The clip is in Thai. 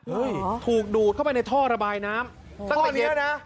อุ้ยถูกดูดเข้าไปในท่อระบายน้ำท่อนี้แล้วนะ